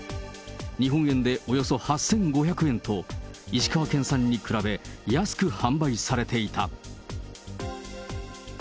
日本円でおよそ８５００円と、石川県産に比べ安く販売されていた。